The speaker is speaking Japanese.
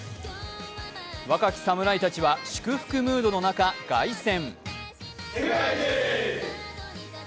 若き侍たちは祝福ムードの中、凱旋。